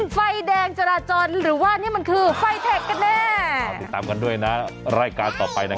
ไฟแดงจราจรหรือว่านี่มันคือไฟแท็กกันเนี่ย